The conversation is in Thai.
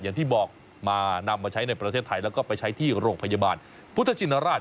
อย่างที่บอกมานำมาใช้ในประเทศไทยแล้วก็ไปใช้ที่โรงพยาบาลพุทธชินราช